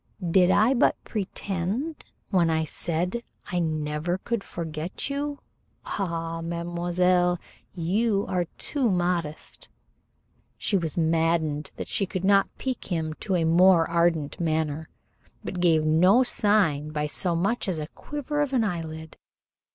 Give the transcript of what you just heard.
"Did I but pretend when I said I never could forget you? Ah, mademoiselle, you are too modest." She was maddened that she could not pique him to a more ardent manner, but gave no sign by so much as the quiver of an eyelid.